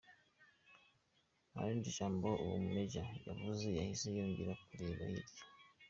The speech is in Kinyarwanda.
Nta rindi jambo uwo mu Major yavuze yahise yongera yirebera hirya.